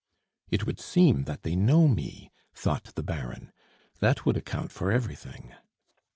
"It would seem that they know me," thought the Baron. "That would account for everything."